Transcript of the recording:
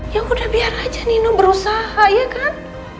ya udah biar aja minum berusaha ya kan